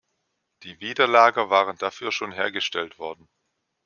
Die Widerlager waren dafür schon hergestellt worden.